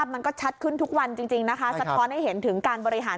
มันก็ชัดขึ้นทุกวันจริงนะคะสะท้อนให้เห็นถึงการบริหาร